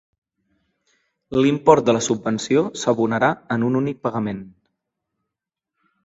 L'import de la subvenció s'abonarà en un únic pagament.